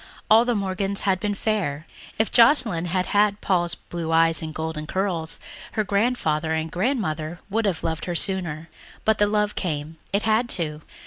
All the Morgans had been fair. If Joscelyn had had Paul's blue eyes and golden curls her grandfather and grandmother would have loved her sooner. But the love came ... it had to.